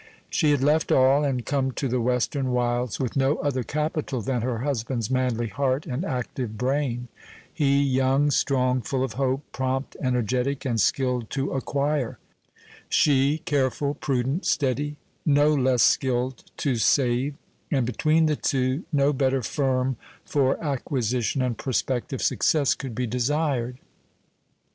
She had left all, and come to the western wilds with no other capital than her husband's manly heart and active brain he young, strong, full of hope, prompt, energetic, and skilled to acquire she careful, prudent, steady, no less skilled to save; and between the two no better firm for acquisition and prospective success could be desired.